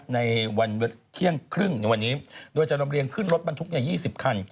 ในวันเที่ยงครึ่งในวันนี้โดยจะลำเรียงขึ้นรถบรรทุก๒๐คัน